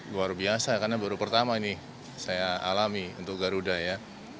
luar biasa karena baru pertama ini saya alami untuk garuda ya